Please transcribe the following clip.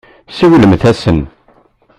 Siwlemt-asen.